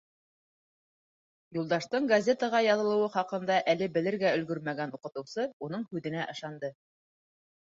Юлдаштың газетаға яҙылыуы хаҡында әле белергә өлгөрмәгән уҡытыусы уның һүҙенә ышанды.